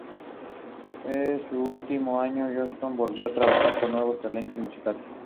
En sus últimos años, Johnston volvió a trabajar con nuevos talentos musicales.